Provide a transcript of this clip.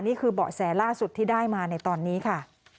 เบาะแสล่าสุดที่ได้มาในตอนนี้ค่ะ